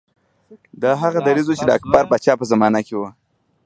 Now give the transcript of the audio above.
دا هغه دریځ و چې د اکبر پاچا په زمانه کې و.